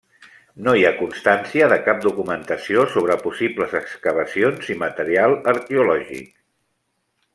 No hi ha constància de cap documentació sobre possibles excavacions i material arqueològic.